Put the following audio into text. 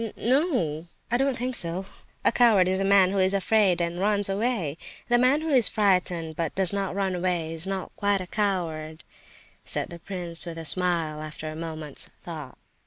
"N no!—I don't think so. A coward is a man who is afraid and runs away; the man who is frightened but does not run away, is not quite a coward," said the prince with a smile, after a moment's thought.